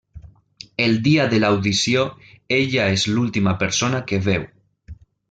El dia de l'audició ella és l'última persona que veu.